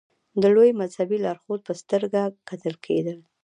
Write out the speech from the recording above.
د لوی مذهبي لارښود په سترګه کتل کېدل.